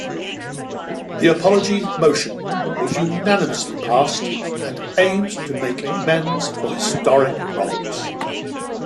The apology motion was unanimously passed and aims to make amends for historic wrongs.